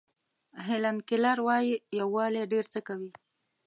هیلن کیلر وایي یووالی ډېر څه کوي.